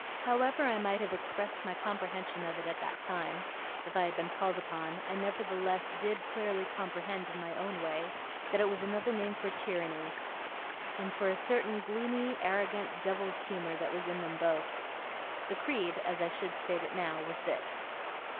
However I might have expressed my comprehension of it at that time, if I had been called upon, I nevertheless did clearly comprehend in my own way, that it was another name for tyranny; and for a certain gloomy, arrogant, devil's humour, that was in them both. The creed, as I should state it now, was this.